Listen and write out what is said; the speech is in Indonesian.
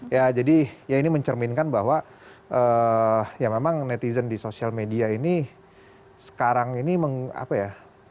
ya jadi ya ini mencerminkan bahwa ya memang netizen di sosial media ini sekarang ini mengapa ya